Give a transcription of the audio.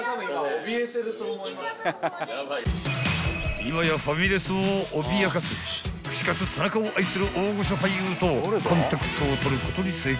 ［今やファミレスを脅かす串カツ田中を愛する大御所俳優とコンタクトを取ることに成功］